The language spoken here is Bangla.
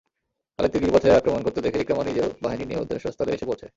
খালিদকে গিরিপথে আক্রমণ করতে দেখে ইকরামা নিজেও বাহিনী নিয়ে উদ্দেশ্যস্থলে এসে পৌঁছে।